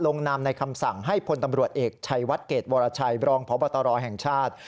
นามในคำสั่งให้พลตำรวจเอกชัยวัดเกรดวรชัยบรองพบตรแห่งชาติ